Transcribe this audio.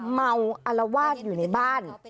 เมาอลวาดอยู่ในบ้าน